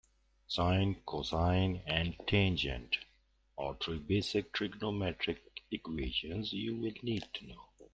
Sine, cosine and tangent are three basic trigonometric equations you'll need to know.